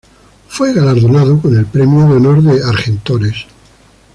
Fue galardonado con el Premio de Honor de Argentores.